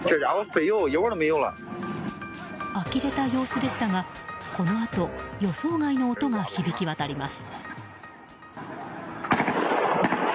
あきれた様子でしたがこのあと、予想外の音が響き渡ります。